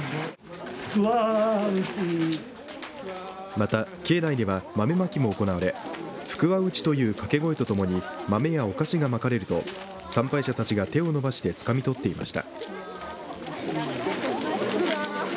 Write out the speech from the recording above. また、境内では豆まきも行われ福は内という掛け声とともに豆やお菓子がまかれると参拝者たちが手を伸ばしてつかみ取っていました。